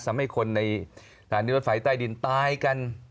ทำให้คนในฐานนิวนฝ่ายใต้ดินตายกัน